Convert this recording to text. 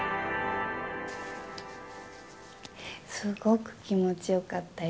すごく気持ちよかったよ